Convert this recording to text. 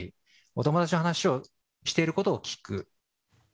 お友達の話していることを聴く。